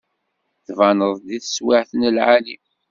Tbaneḍ-d deg teswiɛt n lɛali.